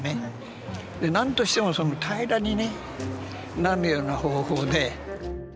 何としても平らにねなるような方法で。